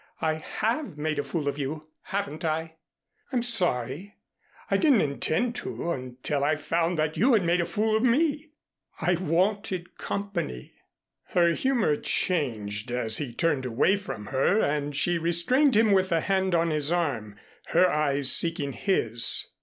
I have made a fool of you, haven't I? I'm sorry. I didn't intend to until I found that you had made a fool of me. I wanted company." Her humor changed as he turned away from her and she restrained him with a hand on his arm, her eyes seeking his.